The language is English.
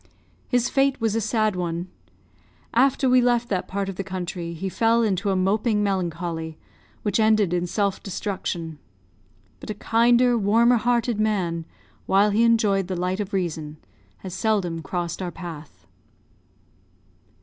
His fate was a sad one. After we left that part of the country, he fell into a moping melancholy, which ended in self destruction. But a kinder, warmer hearted man, while he enjoyed the light of reason, has seldom crossed our path.